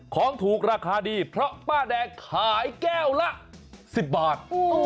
ของถูกราคาดีเพราะป้าแดงขายแก้วละ๑๐บาท